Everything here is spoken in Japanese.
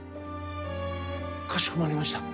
かしこまりました。